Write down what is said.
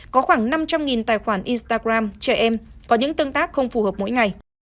có khoảng năm trăm linh tài khoản instagram trẻ em có những tương tác không phù hợp mỗi ngày